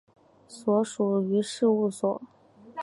所属于事务所。